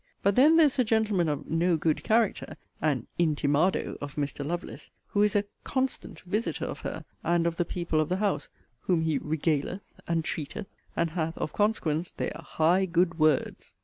But then there is a gentleman of 'no good character' (an 'intimado' of Mr. Lovelace) who is a 'constant' visiter of her, and of the people of the house, whom he 'regaleth' and 'treateth,' and hath (of consequence) their 'high good words.'